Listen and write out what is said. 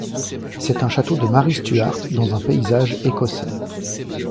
C'est un château de Marie Stuart dans un paysage écossais.